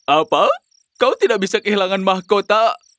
apa kau tidak bisa kehilangan mahkota